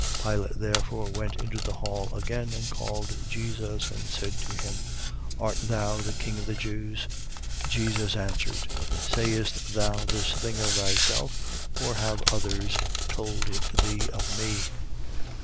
18:33. Pilate therefore went into the hall again and called Jesus and said to him: Art thou the king of the Jews? 18:34. Jesus answered: Sayest thou this thing of thyself, or have others told it thee of me?